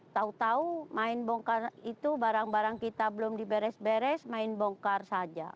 tahu tahu main bongkar itu barang barang kita belum diberes beres main bongkar saja